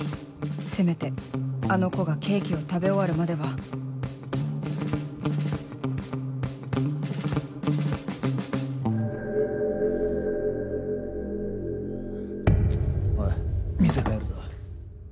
せめてあの子がケーキを食べ終わるまではおい店変えるぞ。